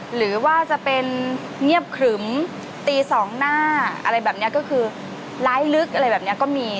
หรือว่าจะเป็นเงียบขรึมตีสองหน้าอะไรแบบนี้ก็คือร้ายลึกอะไรแบบนี้ก็มี